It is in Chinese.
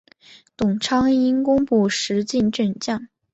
董昌因功补石镜镇将。